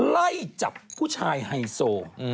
ไล่จับผู้ชายไฮโซ